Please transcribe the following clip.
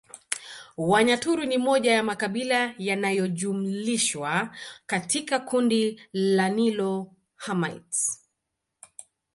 Wanyaturu ni moja ya makabila yanayojumlishwa katika kundi la Nilo Hamites